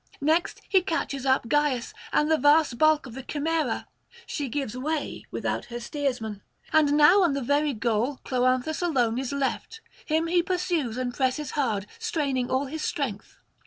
Next he catches up Gyas and the vast bulk of the Chimaera; she gives way, without her steersman. And now on the very goal Cloanthus alone is left; him he pursues and presses hard, straining all his strength.